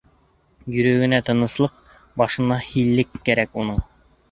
Йөрәгенә тыныслыҡ, башына һиллек кәрәк уның.